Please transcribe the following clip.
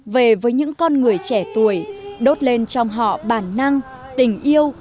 về với những con người trẻ tuổi đốt lên trong họ bản năng tình yêu